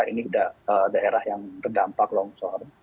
ini daerah yang terdampak longsor